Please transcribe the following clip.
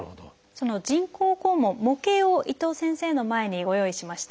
その人工肛門模型を伊藤先生の前にご用意しました。